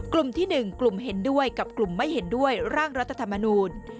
กลุ่มที่๑กลุ่มเห็นด้วยกับกลุ่มไม่เห็นด้วยร่างรัฐธรรมนูล